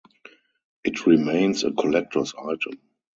It remains a collector's item.